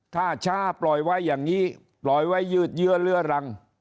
ถ้าช้าปล่อยไว้อย่างนี้ปล่อยไว้ยืดเยื้อเลื้อรัง